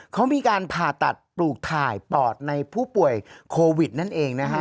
เขามีการผ่าตัดปลูกถ่ายปอดในผู้ป่วยโควิดนั่นเองนะฮะ